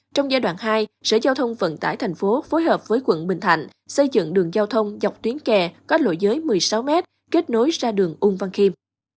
trong giai đoạn hai sở giao thông vận tải thành phố phối hợp với quận bình thạnh xây dựng đường giao thông dọc tuyến kè có lỗi giới một mươi sáu m kết nối ra đường ung văn khiêm